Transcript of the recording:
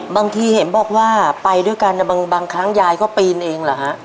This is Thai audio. บางทีเห็นบอกว่าไปด้วยกันบางครั้งยายก็ปีนเองเหรอฮะ